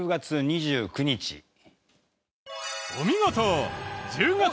お見事！